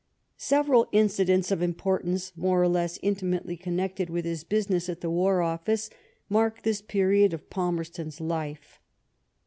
Several incidents of importance, more or less inti mately connected with his business at the War Office, mark this period of Palmerston's life.